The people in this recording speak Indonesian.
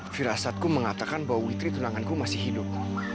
firasatku mengatakan bahwa witri tunanganku masih hidup